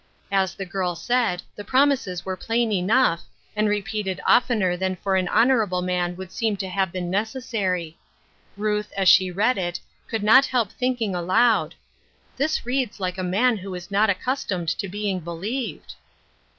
As the girl said, the promises were plain enough, and repeated oftener than for an honorable man would seem to have been neces sary. Ruth, as she read it, could not help thinking aloud, " This reads like a man who is not accus tomed to being believed."